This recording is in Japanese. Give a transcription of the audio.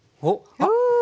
あっ！